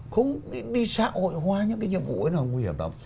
không đi xã hội hóa những cái nhiệm vụ ấy nào nguy hiểm